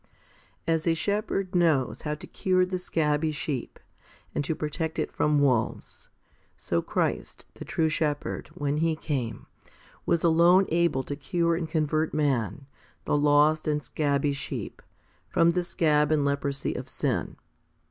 1 3. As a shepherd knows how to cure the scabby sheep, and to protect it from wolves, so Christ, the true shepherd, when He came, was alone able to cure and to convert man, the lost and scabby sheep, from the scab and leprosy of sin.